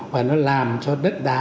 và nó làm cho đất đá